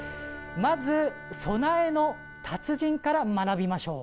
まず備えの達人から学びましょう。